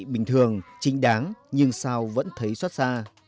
bình thường chính đáng nhưng sao vẫn thấy xót xa